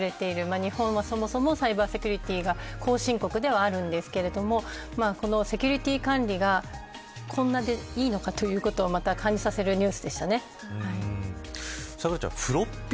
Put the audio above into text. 日本は、そもそもサイバーセキュリティーが後進国ではあるんですがこのセキュリティ管理がこんなでいいのかというのを咲楽ちゃん